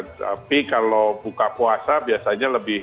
tapi kalau buka puasa biasanya lebih